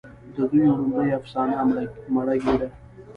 د دوي وړومبۍ افسانه " مړه ګيډه